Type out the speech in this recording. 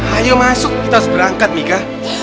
ayo masuk kita harus berangkat mika